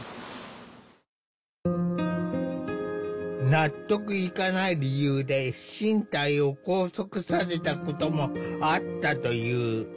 納得いかない理由で身体を拘束されたこともあったという。